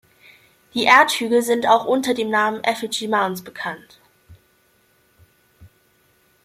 Die Erdhügel sind auch unter dem Namen Effigy Mounds bekannt.